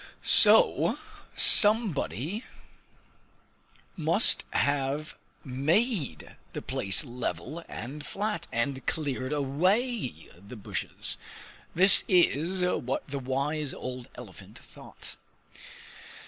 So somebody must have made the place level and flat, and cleared away the bushes! That is what the wise old elephant thought!